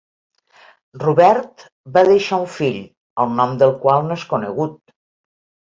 Robert va deixar un fill, el nom del qual no és conegut.